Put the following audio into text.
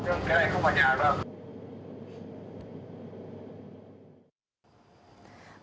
chứ em không cho anh vào nhà được không